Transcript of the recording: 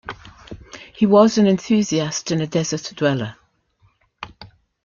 He was an enthusiast and a desert dweller.